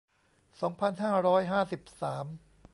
สองพันห้าร้อยห้าสิบสาม